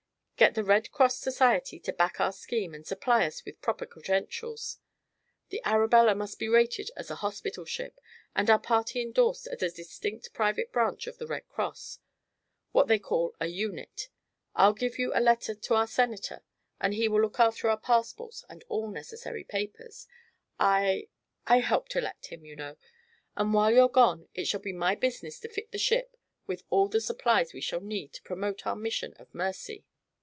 Get the Red Cross Society to back our scheme and supply us with proper credentials. The Arabella must be rated as a hospital ship and our party endorsed as a distinct private branch of the Red Cross what they call a 'unit.' I'll give you a letter to our senator and he will look after our passports and all necessary papers. I I helped elect him, you know. And while you're gone it shall be my business to fit the ship with all the supplies we shall need to promote our mission of mercy."